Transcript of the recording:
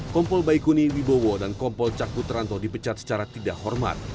kompol baikuni wibowo dan kompol cak putranto dipecat secara tidak hormat